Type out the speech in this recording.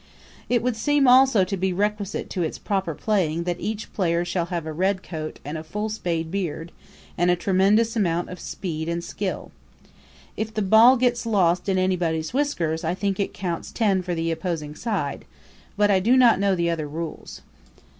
It would seem also to be requisite to its proper playing that each player shall have a red coat and a full spade beard, and a tremendous amount of speed and skill. If the ball gets lost in anybody's whiskers I think it counts ten for the opposing side; but I do not know the other rules.